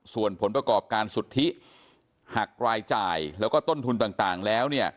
ส่วนผลประกอบการสุทธิหักรายจ่ายแล้วก็ต้นทุนต่างแล้ว